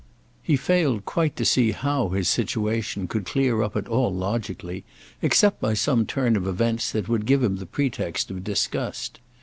He failed quite to see how his situation could clear up at all logically except by some turn of events that would give him the pretext of disgust.